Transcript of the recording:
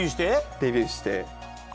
デビューして。